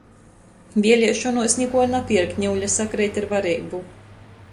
Vieleišonuos nikuo napierkt niuļa sakreit ar vareibu.